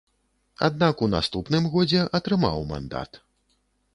Аднак у наступным годзе атрымаў мандат.